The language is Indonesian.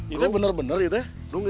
itu benar benar itu ya